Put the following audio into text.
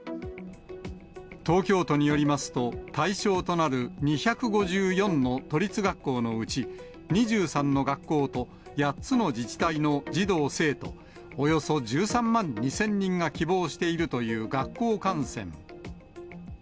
東京都によりますと、対象となる２５４の都立学校のうち、２３の学校と８つの自治体の児童・生徒およそ１３万２０００人が希望しているという学校観戦。